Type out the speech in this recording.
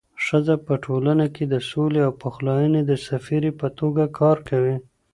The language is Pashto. ښځه په ټولنه کي د سولې او پخلاینې د سفیرې په توګه کار کوي